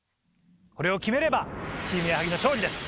これを決めればチーム矢作の勝利です。